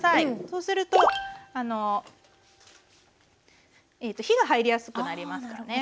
そうするとあの火が入りやすくなりますからね。